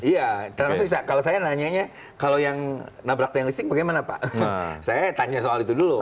iya termasuk kalau saya nanyanya kalau yang nabrak tiang listrik bagaimana pak saya tanya soal itu dulu